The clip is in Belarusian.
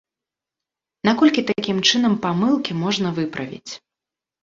Наколькі такім чынам памылкі можна выправіць?